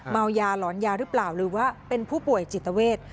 เมายาหลอนยาหรือเปล่าหรือว่าเป็นผู้ป่วยจิตเวท